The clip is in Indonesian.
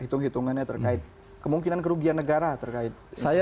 hitung hitungannya terkait kemungkinan kerugian negara terkait